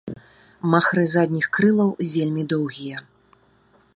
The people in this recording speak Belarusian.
Махры задніх крылаў вельмі доўгія.